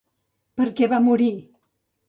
Per què va morir?